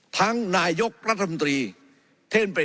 ทั้งนายกรัฐธรรมดี